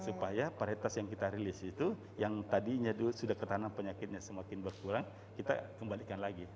supaya paritas yang kita rilis itu yang tadinya sudah ketanam penyakitnya semakin berkurang kita kembalikan lagi